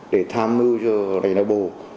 để tham mưu cho đài đào bộ